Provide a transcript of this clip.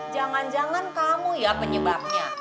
jangan jangan kamu ya penyebabnya